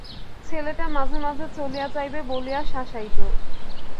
ছেলেটা মাঝে মাঝে চলিয়া যাইবে বলিয়া শাসাইত।